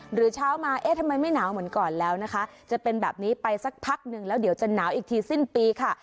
หรือเช้ามาเอ๊ะทำไมไม่หนาวเหมือนก่อนแล้วนะคะจะเป็นแบบนี้ไปสักพักหนึ่งแล้วเดี๋ยวจะหนาวอีกทีสิ้นปีค่ะ